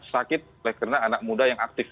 sakit oleh karena anak muda yang aktif